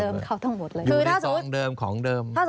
อยู่ในซองเดิมของเดิม